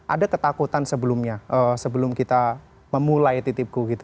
ada ketakutan sebelumnya sebelum kita memulai titipku gitu